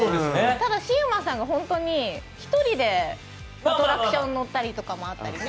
ただ、シウマさんが本当に１人でアトラクション乗ったりもあったりね。